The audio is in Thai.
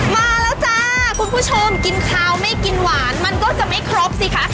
มาแล้วจ้าคุณผู้ชมกินข้าวไม่กินหวานมันก็จะไม่ครบสิคะ